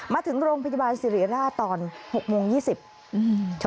มาถึงโรงพยาบาลสิริราชตอน๖โมง๒๐